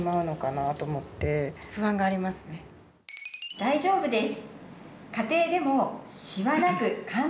大丈夫です。